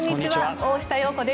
大下容子です。